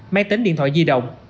máy tính điện thoại di động